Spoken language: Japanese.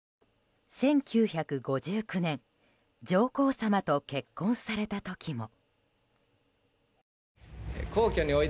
１９５９年、上皇さまと結婚された時も。